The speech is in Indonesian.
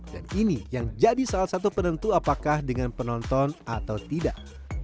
dan ini yang jadi salah satu penentu apakah dengan penonton atau tidak